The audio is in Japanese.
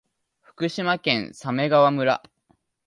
福島県鮫川村